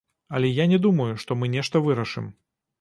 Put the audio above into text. Але я не думаю, што мы нешта вырашым.